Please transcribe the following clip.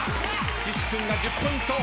岸君が１０ポイント。